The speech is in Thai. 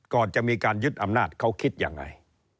ก่อนจะมีการยึดอำนาจเขาคิดยังไง